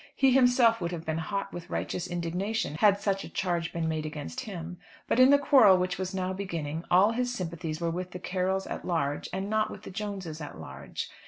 He himself would have been hot with righteous indignation, had such a charge been made against him. But in the quarrel which was now beginning all his sympathies were with the Carrolls at large, and not with the Jones's at large.